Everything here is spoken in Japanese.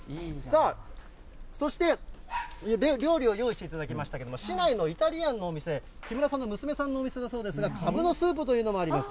そして、料理を用意していただきましたけれども、市内のイタリアンのお店、木村さんの娘さんのお店だそうですが、かぶのスープというのがあります。